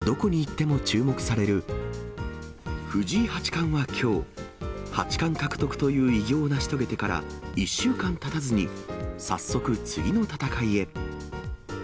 もので、ちょっと傾いて見えるのはご愛きょうですが、今や、どこに行っても注目される、藤井八冠はきょう、八冠獲得という偉業を成し遂げてから１週間たたずに早速、次の戦いへ。